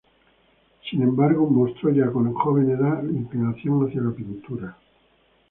Sin embargo, mostró ya con joven edad inclinación hacia la pintura.